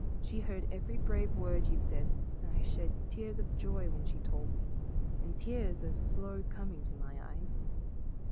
She heard every brave word you said and I shed tears of joy when she told me; and tears are slow coming to my eyes.